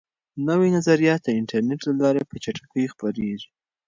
نوي نظریات د انټرنیټ له لارې په چټکۍ خپریږي.